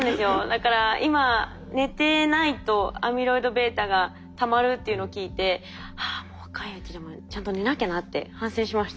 だから今寝てないとアミロイドβがたまるっていうのを聞いてああもう若いうちでもちゃんと寝なきゃなって反省しました。